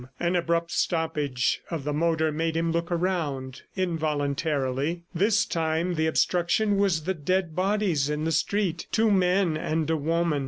An abrupt stoppage of the motor made him look around involuntarily. This time the obstruction was the dead bodies in the street two men and a woman.